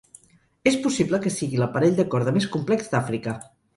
És possible que sigui l'aparell de corda més complex d'Àfrica.